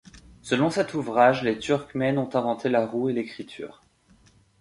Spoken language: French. Selon cet ouvrage, les Turkmènes ont inventé la roue et l'écriture.